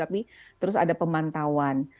tapi terus ada pemantauan